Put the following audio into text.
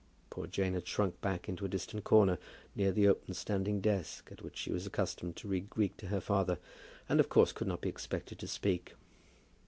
Poor Jane had shrunk back into a distant corner, near the open standing desk at which she was accustomed to read Greek to her father, and, of course, could not be expected to speak.